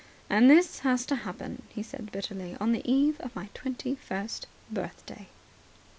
"And this has to happen," he said bitterly, "on the eve of my twenty first birthday."